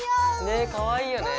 ねかわいいよね。